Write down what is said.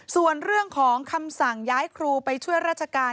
ส่วนเรื่องของคำสั่งย้ายครูไปช่วยราชการ